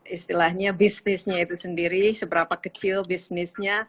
istilahnya bisnisnya itu sendiri seberapa kecil bisnisnya